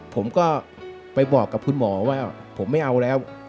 ผมก็ไปบอกกับคุณหมอว่าผมไม่เอาแล้ว